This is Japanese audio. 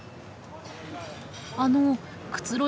あのくつろい